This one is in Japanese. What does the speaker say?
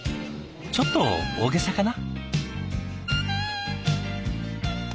ちょっと大げさかな？